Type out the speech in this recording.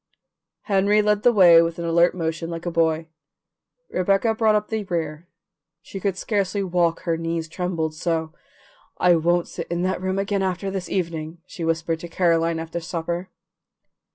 Henry led the way with an alert motion like a boy; Rebecca brought up the rear; she could scarcely walk, her knees trembled so. "I can't sit in that room again this evening," she whispered to Caroline after supper.